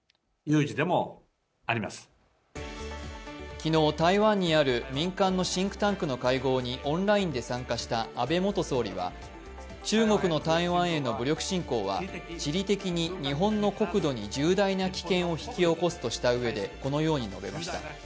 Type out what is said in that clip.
昨日、台湾にある民間のシンクタンクの会合にオンラインで参加した安倍元総理は中国の台湾への武力侵攻は地理的に日本の国土に重大な危険を引き起こすとしたうえでこのように述べました。